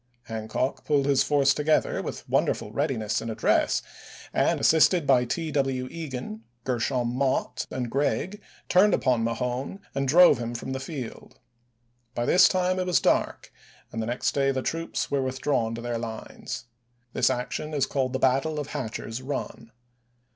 Hancock pulled his force together with won derful readiness and address, and, assisted by T. W. Egan, Gershom Mott, and Gregg, turned upon Mahone and drove him from the field. By this time it was dark, and the next day the troops were withdrawn to their lines. This action is called the battle of Hatcher's Run.